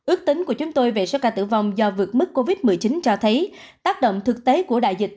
ước tính của chúng tôi về số ca tử vong do vượt mức covid một mươi chín cho thấy tác động thực tế của đại dịch